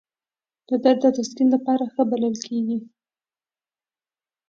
د درد او تسکین لپاره ښه بلل کېده.